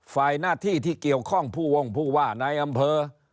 หน้าที่ที่เกี่ยวข้องผู้วงผู้ว่าในอำเภอ